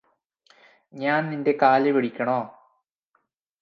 ഞാന് നിന്റെ കാലുപിടിക്കണോ